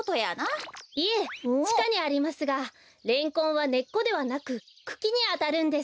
いえちかにありますがレンコンはねっこではなくくきにあたるんです。